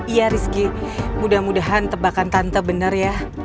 iya rizky mudah mudahan tebakan tante benar ya